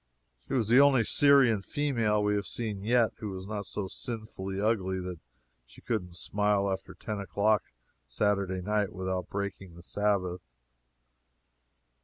She was the only Syrian female we have seen yet who was not so sinfully ugly that she couldn't smile after ten o'clock Saturday night without breaking the Sabbath.